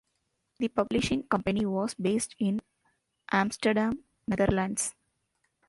This publishing company was based in Amsterdam, Netherlands.